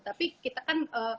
tapi kita kan ya udah lah